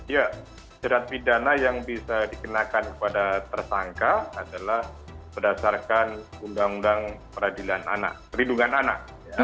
ya jerat pidana yang bisa dikenakan kepada tersangka adalah berdasarkan undang undang peradilan anak perlindungan anak